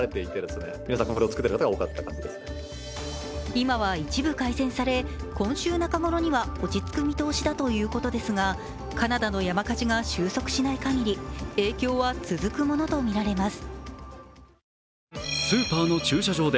今は一部改善され、今週中頃には落ち着く見通しだということですがカナダの山火事が収束しない限り影響は続くものとみられます。